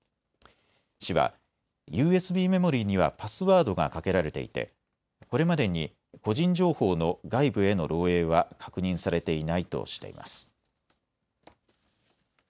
市はＵＳＢメモリーにはパスワードがかけられていてこれまでに個人情報の外部への漏えいは確認されていないとしています。